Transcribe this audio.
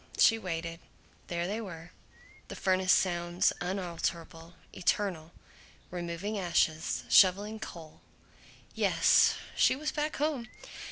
She waited. There they were, the furnace sounds, unalterable, eternal: removing ashes, shoveling coal. Yes. She was back home!